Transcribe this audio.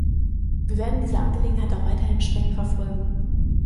Wir werden diese Angelegenheit auch weiterhin streng verfolgen.